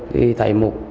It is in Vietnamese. thì thầy mục